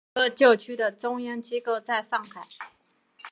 两个教区的中央机构在上海。